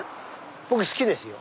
僕好きですよ